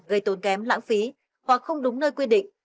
gây tốn kém lãng phí hoặc không đúng nơi quy định